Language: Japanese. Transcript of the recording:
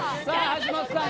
橋本さん